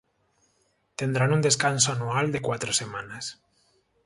Tendrán un descanso anual de cuatro semanas.